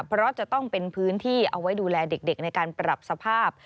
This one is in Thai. เพราะจะต้องเป็นพื้นที่เอาไว้ดูแลเด็กในการปรับสภาพ